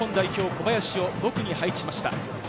小林を５区に配置しました。